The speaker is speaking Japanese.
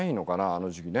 あの時期ね。